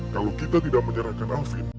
kalau kita tidak menyerahkan angkin